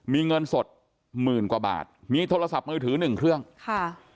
มีเงินสดหมื่นกว่าบาทมีโทรศัพท์มือถือหนึ่งเครื่องค่ะ